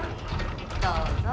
どうぞ。